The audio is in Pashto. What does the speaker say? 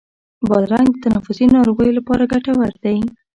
بادرنګ د تنفسي ناروغیو لپاره ګټور دی.